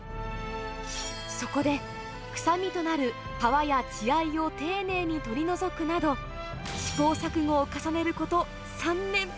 そこで、臭みとなる皮や血合いを丁寧に取り除くなど、試行錯誤を重ねること３年。